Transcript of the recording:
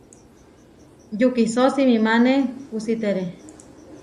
Yukisó simimáne kusítere.